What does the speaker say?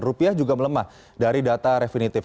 rupiah juga melemah dari data refinitif